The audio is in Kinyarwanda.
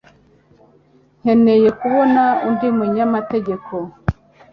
Nkeneye kubona undi munyamategeko